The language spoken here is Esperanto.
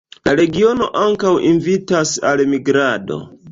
La regiono ankaŭ invitas al migrado.